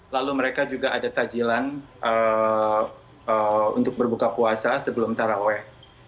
lalu mereka juga ada tajilan untuk berbuka puasa sebelum taraweh